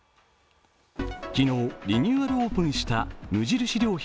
昨日、リニューアルオープンした無印良品